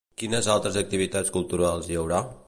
Quines altres activitats culturals hi haurà?